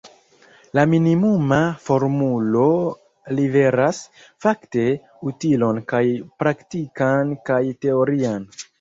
La minimuma formulo liveras, fakte, utilon kaj praktikan kaj teorian.